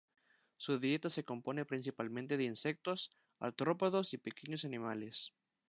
Su dieta se compone principalmente de insectos, artrópodos y pequeños animales.